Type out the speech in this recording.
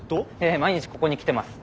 ええ毎日ここに来てます。